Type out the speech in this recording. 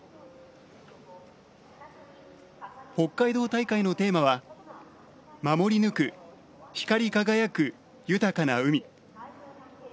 北海道大会のテーマは「守りぬく光輝く豊かな海」。